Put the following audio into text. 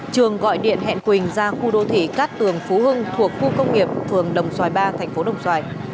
trường gọi điện hẹn quỳnh ra khu đô thị cát tường phú hưng thuộc khu công nghiệp phường đồng xoài ba thành phố đồng xoài